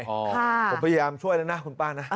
ผมพยายามช่วยแล้วนะคุณป้านะ